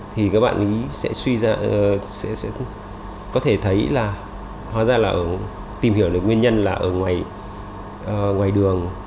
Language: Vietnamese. thì các bạn sẽ có thể thấy là tìm hiểu nguyên nhân là ở ngoài đường đang có tóc đường chả